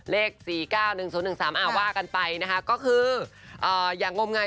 เลข๔๙๑๐๑๓ว่ากันไปนะคะก็คืออย่างงมงาย